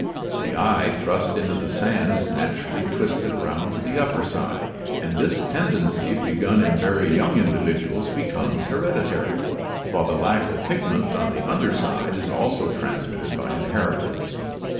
The eye thrust into the sand is naturally twisted around to the upper side, and this tendency begun in very young individuals becomes hereditary, while the lack of pigment on the under side is also transmitted by inheritance.